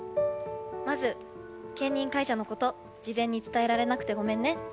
まず、兼任解除のこと事前に伝えられなくてごめんね。